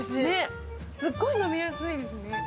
すっごい飲みやすいですね。